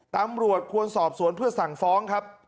ตำรวจควรสอบสวนเพื่อสั่งฟ้องครับ